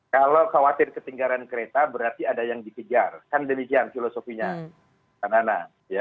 kalau khawatir ketinggalan kereta berarti ada yang dikejar kan demikian filosofinya